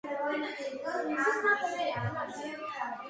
მდინარეს სოფლის მეურნეობისთვის, სარწყავად იყენებენ.